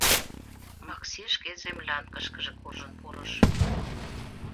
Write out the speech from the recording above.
Макси шке землянкышкыже куржын пурыш.